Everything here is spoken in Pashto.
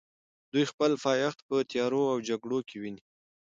دوی خپل پایښت په تیارو او جګړو کې ویني.